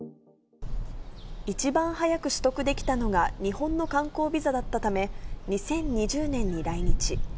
一番早く取得できたのが、日本の観光ビザだったため、２０２０年に来日。